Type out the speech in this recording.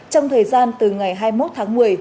trong thời gian từ ngày hai mươi một tháng một mươi